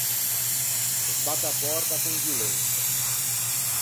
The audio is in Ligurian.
Sbatte a pòrta con violensa.